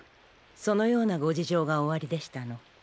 そのようなご事情がおありでしたの。